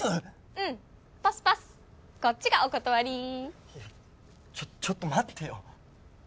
うんパスパスこっちがお断りちょちょっと待ってよ